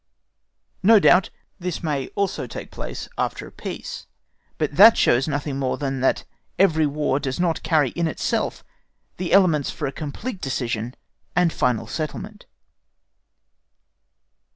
No doubt, this may also take place after a peace, but that shows nothing more than that every War does not carry in itself the elements for a complete decision and final settlement.